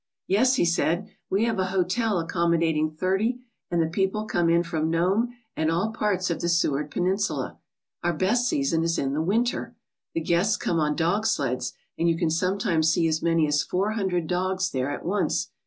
"Yes/' he said, "we have a hotel accommodating thirty and the people come in from Nome and all parts of the Seward Peninsula. Our best season is in the winter. The guests come on dog sleds and you can sometimes see as many as four hundred dogs there at once.